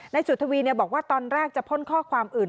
สุธวีบอกว่าตอนแรกจะพ่นข้อความอื่น